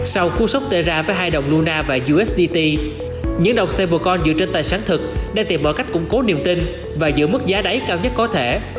sau khu sốc tệ ra với hai đồng luna và usdt những đồng stablecoin dựa trên tài sản thực đang tìm mọi cách củng cố niềm tin và giữ mức giá đáy cao nhất có thể